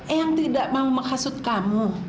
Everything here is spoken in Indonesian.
eyang tidak mau menghasut kamu